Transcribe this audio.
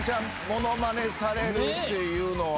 ものまねされるっていうのは。